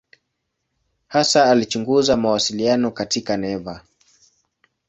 Hasa alichunguza mawasiliano katika neva.